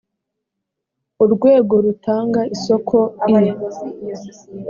urwego rutanga isoko i